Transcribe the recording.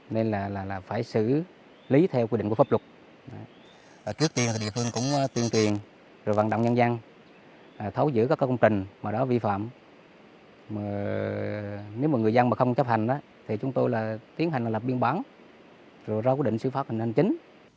nếu người dân không chấp hành chúng tôi tiến hành lập biên bản rồi ra quyết định xử pháp hành hành chính